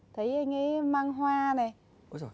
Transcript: thấy anh ấy mang hoa này